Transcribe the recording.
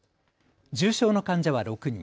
重症の患者は６人。